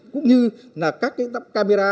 cũng như các camera